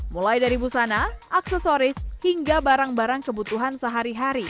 mulai dari busana aksesoris hingga barang barang kebutuhan sehari hari